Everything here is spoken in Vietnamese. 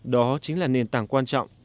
đó chính là nền tảng quan trọng